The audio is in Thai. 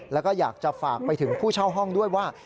แล้วก็อยากจะฝากไปถึงผู้เช่าห้องด้วยว่า